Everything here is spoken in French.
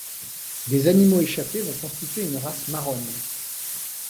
Des animaux échappés vont constituer une race marronne.